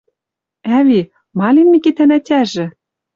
«Ӓви, ма лин Микитӓн ӓтяжӹ?